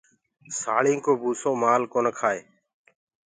ساݪينٚ ڪو بوُسو مآل ڪونآ کآئي۔